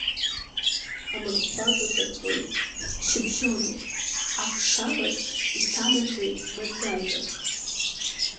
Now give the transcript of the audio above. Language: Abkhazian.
Амырхәага каҵәоит, шьыбжьонуп, аԥшалас исанаҳәоит маӡажәак.